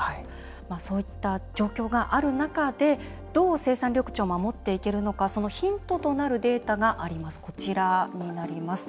そういった状況がある中でどう生産緑地を守っていけるのかそのヒントとなるデータがあります、こちらになります。